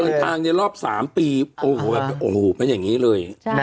ในทางในรอบ๓ปีโอ้โหแบบโอ้โหเป็นอย่างนี้เลย